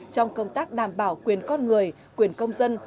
trong công tác đảm bảo quyền con người quyền công dân